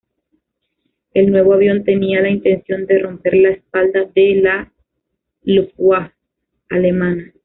El nuevo avión tenía la intención de romper la espalda de la Luftwaffe alemana.